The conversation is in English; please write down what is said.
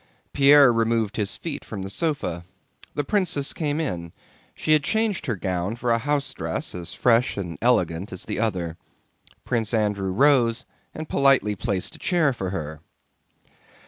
Pierre removed his feet from the sofa. The princess came in. She had changed her gown for a house dress as fresh and elegant as the other. Prince Andrew rose and politely placed a chair for her.